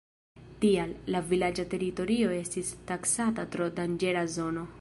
Tial, la vilaĝa teritorio estis taksata tro danĝera zono.